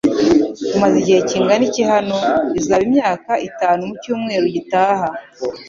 Mumaze igihe kingana iki hano?" "Bizaba imyaka itanu mu cyumweru gitaha."